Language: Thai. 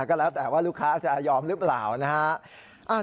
ก็แล้วแต่ว่าลูกค้าจะยอมหรือเปล่านะฮะ